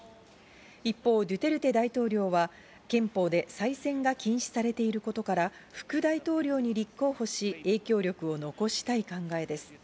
一方、ドゥテルテ大統領は憲法で再選が禁止されていることから、副大統領に立候補し、影響力を残したい考えです。